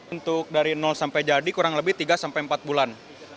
untuk dari sampai jadi kurang lebih tiga empat bulan